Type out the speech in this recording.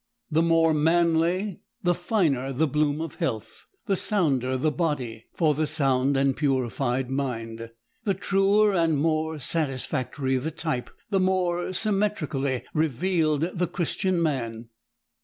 The more manly, the finer the bloom of health, the sounder the body for the sound and purified mind, the truer and more satisfactory the type, the more symmetrically revealed the Christian man.